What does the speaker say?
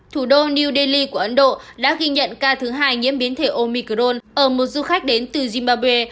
thủ đô new delhi của ấn độ đã ghi nhận ca thứ hai nhiễm biến thể omicrone ở một du khách đến từ zimbabwe